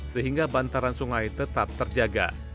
sehingga bantaran sungai tetap terjaga